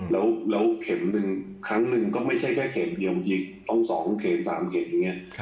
แล้วเข็มหนึ่งครั้งหนึ่งก็ไม่ใช่แค่เข็มเดียวบางทีต้อง๒เขต๓เขตอย่างนี้